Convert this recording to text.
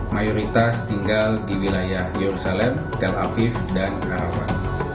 mayoritas tinggal di wilayah yerusalem tel aviv dan arafah